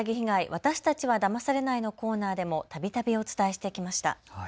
私たちはだまされないのコーナーでもたびたびお伝えしてきました。